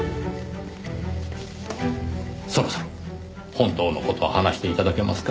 そろそろ本当の事を話して頂けますか？